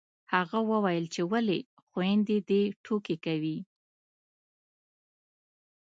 هغه وويل چې ولې خویندې دې ټوکې کوي